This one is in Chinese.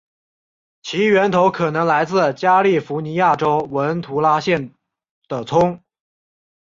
其源头可能来自加利福尼亚州文图拉县的葱。